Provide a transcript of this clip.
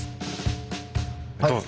どうぞ。